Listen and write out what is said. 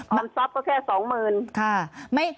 มันทรัพย์ก็แค่สองหมื่น